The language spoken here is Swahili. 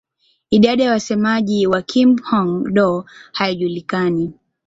Idadi ya wasemaji wa Kihmong-Dô haijulikani.